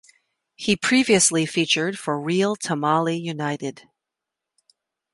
He previously featured for Real Tamale United.